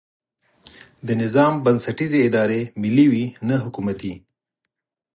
د نظام بنسټیزې ادارې ملي وي نه حکومتي.